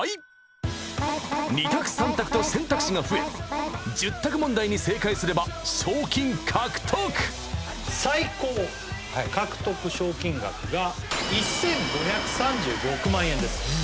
２択３択と選択肢が増え１０択問題に正解すれば賞金獲得最高獲得賞金額が１５３６万円です